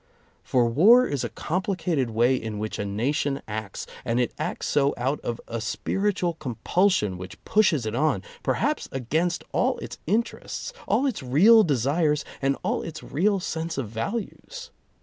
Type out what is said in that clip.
For war is a complicated way in which a nation acts, and it acts so out of a spiritual compulsion which pushes it on, perhaps against all its interests, all its real desires, and all its real sense of values.